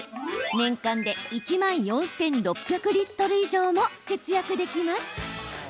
年間で１万４６００リットル以上も節約できます。